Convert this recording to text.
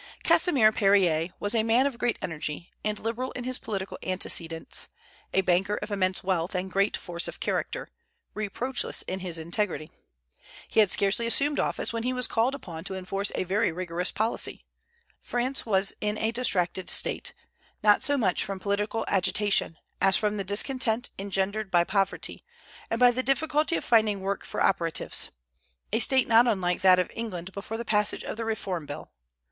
Casimir Périer was a man of great energy, and liberal in his political antecedents, a banker of immense wealth and great force of character, reproachless in his integrity. He had scarcely assumed office when he was called upon to enforce a very rigorous policy. France was in a distracted state, not so much from political agitation as from the discontent engendered by poverty, and by the difficulty of finding work for operatives, a state not unlike that of England before the passage of the Reform Bill.